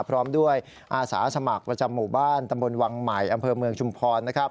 พร้อมด้วยอาสาสมัครประจำหมู่บ้านตำบลวังใหม่อำเภอเมืองชุมพร